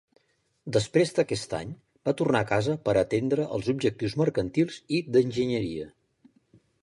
Després d'aquest any, va tornar a casa per atendre els objectius mercantils i d'enginyeria.